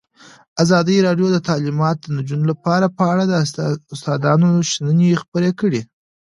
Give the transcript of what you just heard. ازادي راډیو د تعلیمات د نجونو لپاره په اړه د استادانو شننې خپرې کړي.